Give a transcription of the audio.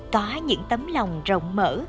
có những tấm lòng rộng mở